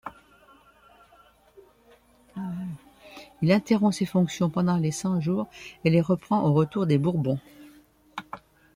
Il interrompt ces fonctions pendant les Cent-Jours et les reprend au retour des Bourbons.